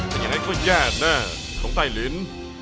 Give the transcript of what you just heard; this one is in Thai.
แต่ยังไงก็แย่แน่ทุกใต้ลิน